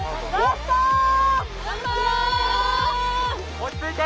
落ち着いて！